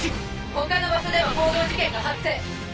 他の場所でも暴動事件が発生。